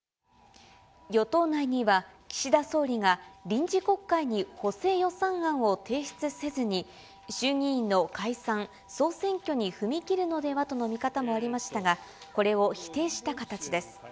与党内には、岸田総理が臨時国会に補正予算案を提出せずに、衆議院の解散・総選挙に踏み切るのではとの見方もありましたが、これを否定した形です。